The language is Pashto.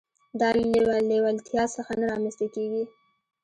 دا له نه لېوالتيا څخه نه رامنځته کېږي.